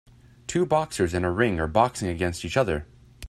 Two boxers in a ring are boxing against each other.